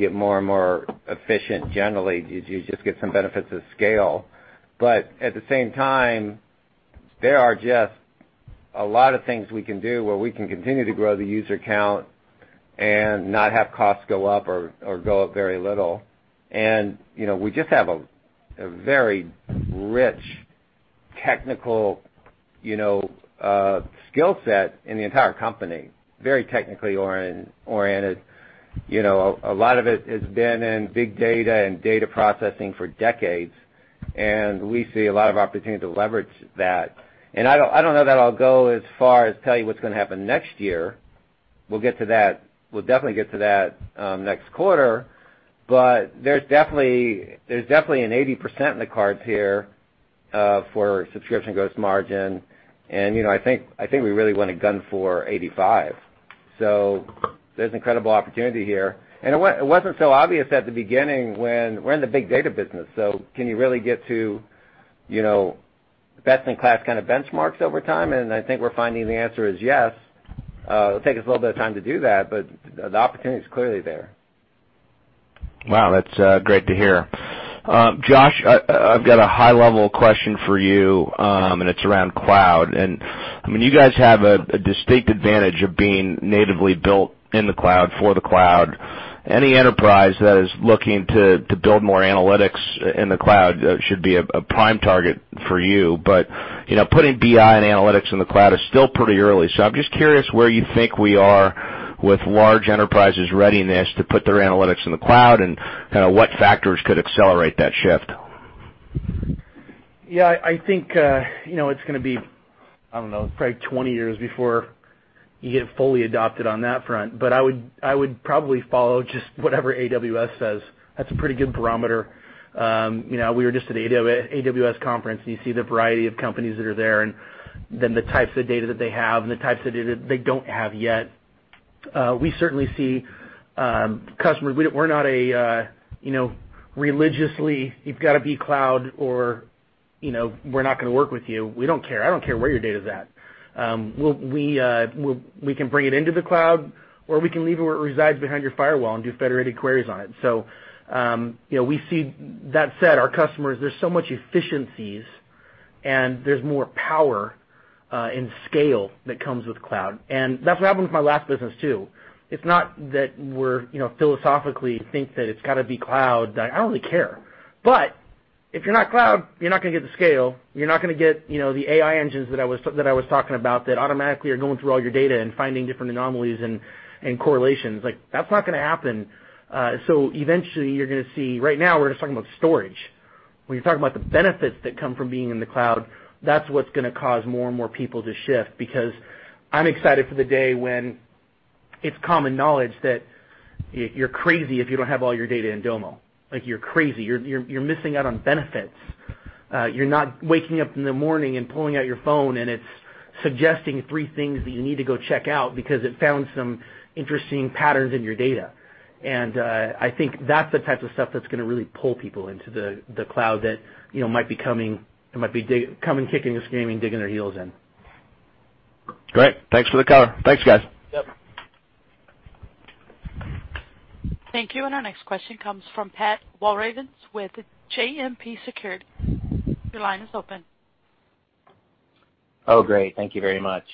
get more and more efficient. Generally, you just get some benefits of scale. At the same time, there are just a lot of things we can do where we can continue to grow the user count and not have costs go up or go up very little. We just have a very rich technical skill set in the entire company. Very technically oriented. A lot of it has been in big data and data processing for decades, and we see a lot of opportunity to leverage that. I don't know that I'll go as far as tell you what's going to happen next year. We'll definitely get to that next quarter, but there's definitely an 80% in the cards here for subscription gross margin. I think we really want to gun for 85%. So there's incredible opportunity here. It wasn't so obvious at the beginning when we're in the big data business. Can you really get to best-in-class kind of benchmarks over time? I think we're finding the answer is yes. It'll take us a little bit of time to do that, but the opportunity's clearly there. Wow, that's great to hear. Josh, I've got a high-level question for you, and it's around cloud. You guys have a distinct advantage of being natively built in the cloud for the cloud. Any enterprise that is looking to build more analytics in the cloud should be a prime target for you. Putting BI and analytics in the cloud is still pretty early. I'm just curious where you think we are with large enterprises' readiness to put their analytics in the cloud, and what factors could accelerate that shift. I think it's going to be, I don't know, probably 20 years before you get fully adopted on that front, but I would probably follow just whatever AWS says. That's a pretty good barometer. We were just at AWS conference, you see the variety of companies that are there, the types of data that they have, the types of data they don't have yet. We certainly see customers. We're not a religiously, you've got to be cloud, or we're not going to work with you. We don't care. I don't care where your data's at. We can bring it into the cloud, or we can leave it where it resides behind your firewall and do federated queries on it. We see that set. Our customers, there's so much efficiencies, there's more power and scale that comes with cloud. That's what happened with my last business, too. It's not that we philosophically think that it's got to be cloud. I don't really care. If you're not cloud, you're not going to get the scale. You're not going to get the AI engines that I was talking about that automatically are going through all your data and finding different anomalies and correlations. That's not going to happen. Eventually, you're going to see, right now, we're just talking about storage. When you're talking about the benefits that come from being in the cloud, that's what's going to cause more and more people to shift because I'm excited for the day when it's common knowledge that you're crazy if you don't have all your data in Domo. You're crazy. You're missing out on benefits. You're not waking up in the morning and pulling out your phone, and it's suggesting three things that you need to go check out because it found some interesting patterns in your data. I think that's the type of stuff that's going to really pull people into the cloud that might be coming kicking and screaming, digging their heels in. Great. Thanks for the color. Thanks, guys. Yep. Thank you. Our next question comes from Pat Walravens with JMP Securities. Your line is open. Oh, great. Thank you very much.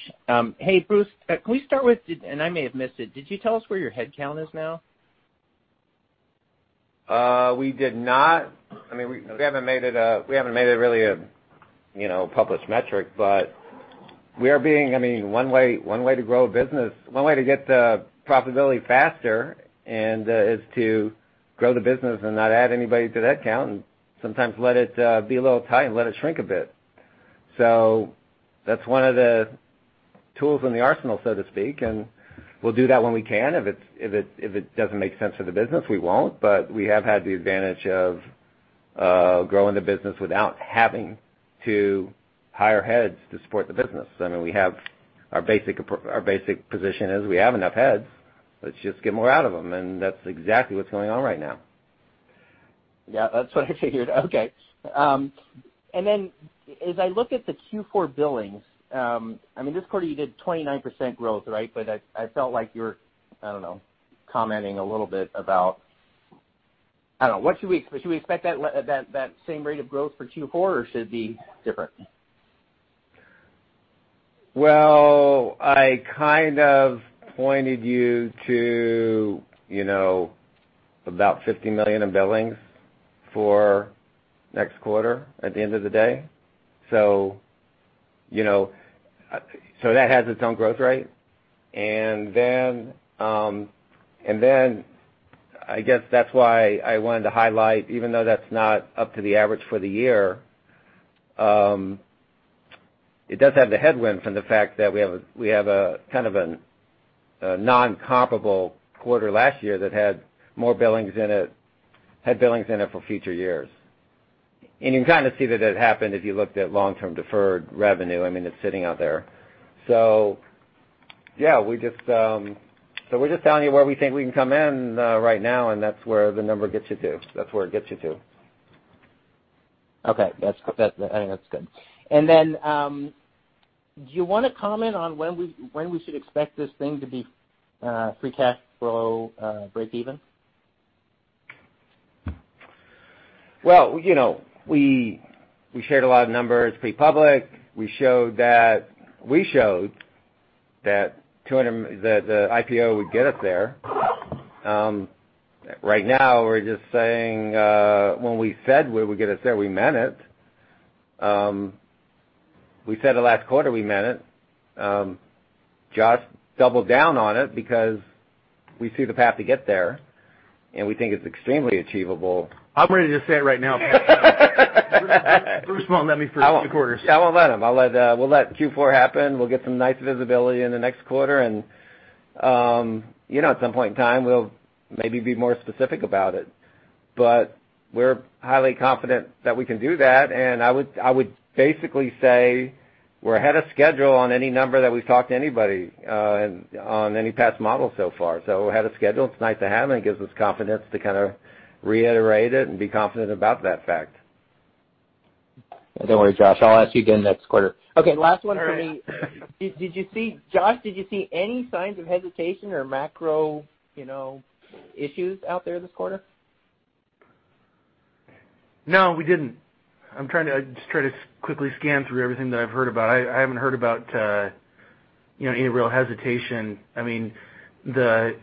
Hey, Bruce, can we start with, and I may have missed it, did you tell us where your headcount is now? We did not. We haven't made it really a published metric, but one way to get the profitability faster and is to grow the business and not add anybody to that count, and sometimes let it be a little tight and let it shrink a bit. That's one of the tools in the arsenal, so to speak, and we'll do that when we can. If it doesn't make sense for the business, we won't. We have had the advantage of growing the business without having to hire heads to support the business. Our basic position is we have enough heads, let's just get more out of them, and that's exactly what's going on right now. Yeah, that's what I figured. Okay. As I look at the Q4 billings, this quarter you did 29% growth, right? I felt like you were, I don't know, commenting a little bit about I don't know. Should we expect that same rate of growth for Q4, or should it be different? Well, I kind of pointed you to about $50 million in billings for next quarter at the end of the day. That has its own growth rate. I guess that's why I wanted to highlight, even though that's not up to the average for the year, it does have the headwind from the fact that we have a kind of a non-comparable quarter last year that had billings in it for future years. You can kind of see that it happened if you looked at long-term deferred revenue. It's sitting out there. We're just telling you where we think we can come in right now, and that's where the number gets you to. That's where it gets you to. Okay. I think that's good. Do you want to comment on when we should expect this thing to be free cash flow breakeven? Well, we shared a lot of numbers pre-public. We showed that the IPO would get us there. Right now, we're just saying, when we said we would get us there, we meant it. We said the last quarter we meant it. Josh doubled down on it because we see the path to get there, and we think it's extremely achievable. I'm ready to say it right now, Pat. Bruce won't let me for a few quarters. I won't let him. We'll let Q4 happen. We'll get some nice visibility in the next quarter, and at some point in time, we'll maybe be more specific about it. We're highly confident that we can do that, and I would basically say we're ahead of schedule on any number that we've talked to anybody on any past model so far. Ahead of schedule, it's nice to have, and it gives us confidence to kind of reiterate it and be confident about that fact. Don't worry, Josh, I'll ask you again next quarter. Okay, last one from me. Josh, did you see any signs of hesitation or macro issues out there this quarter? No, we didn't. I'm trying to just quickly scan through everything that I've heard about. I haven't heard about any real hesitation. The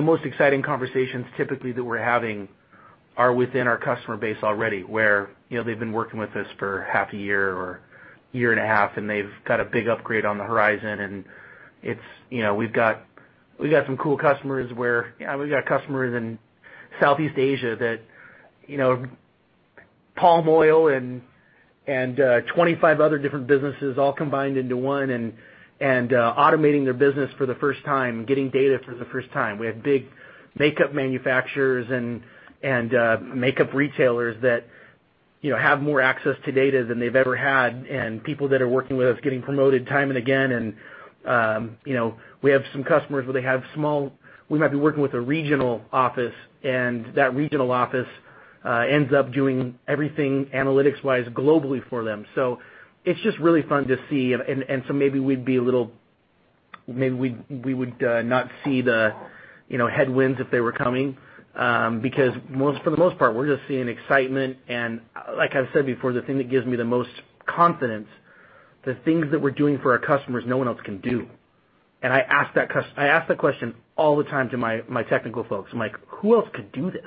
most exciting conversations typically that we're having are within our customer base already, where they've been working with us for half a year or a year and a half, and they've got a big upgrade on the horizon. We've got some cool customers in Southeast Asia that, palm oil and 25 other different businesses all combined into one and automating their business for the first time, getting data for the first time. We have big makeup manufacturers and makeup retailers that have more access to data than they've ever had, and people that are working with us getting promoted time and again. We have some customers where we might be working with a regional office, and that regional office ends up doing everything analytics-wise globally for them. It's just really fun to see, maybe we would not see the headwinds if they were coming. Because for the most part, we're just seeing excitement and, like I've said before, the thing that gives me the most confidence, the things that we're doing for our customers, no one else can do. I ask that question all the time to my technical folks. I'm like, "Who else could do this?"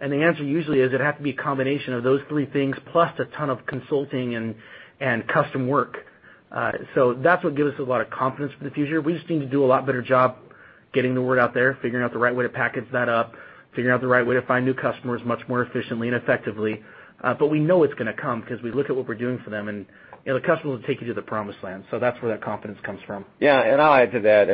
The answer usually is it'd have to be a combination of those three things, plus a ton of consulting and custom work. That's what gives us a lot of confidence for the future. We just need to do a lot better job getting the word out there, figuring out the right way to package that up, figuring out the right way to find new customers much more efficiently and effectively. We know it's going to come because we look at what we're doing for them, and the customer will take you to the promised land. That's where that confidence comes from. Yeah, I'll add to that.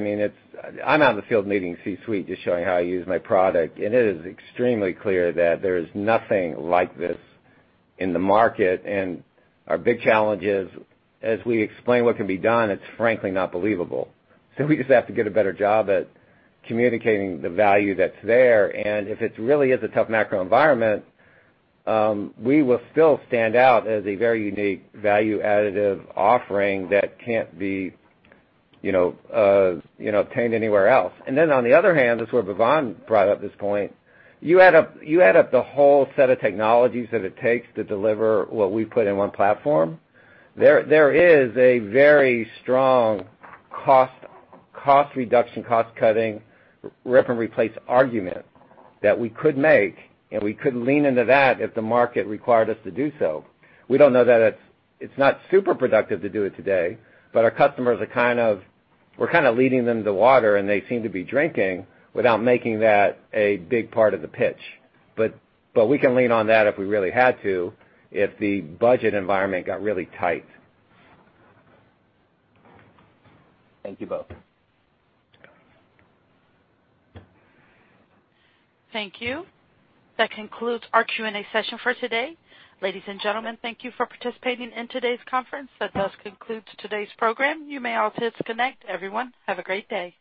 I'm out in the field meeting C-suite, just showing how I use my product. It is extremely clear that there is nothing like this in the market. Our big challenge is, as we explain what can be done, it's frankly not believable. We just have to get a better job at communicating the value that's there. If it really is a tough macro environment, we will still stand out as a very unique value additive offering that can't be obtained anywhere else. On the other hand, that's where Bhavan brought up this point. You add up the whole set of technologies that it takes to deliver what we put in one platform. There is a very strong cost reduction, cost-cutting, rip-and-replace argument that we could make. We could lean into that if the market required us to do so. We don't know that it's not super productive to do it today, but our customers, we're kind of leading them to water, and they seem to be drinking without making that a big part of the pitch. We can lean on that if we really had to, if the budget environment got really tight. Thank you both. Thank you. That concludes our Q&A session for today. Ladies and gentlemen, thank you for participating in today's conference. That does conclude today's program. You may all disconnect. Everyone, have a great day.